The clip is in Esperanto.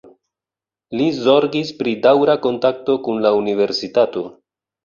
Li zorgis pri daŭra kontakto kun la Universitato.